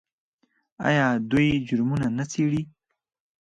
آیا دوی جرمونه نه څیړي؟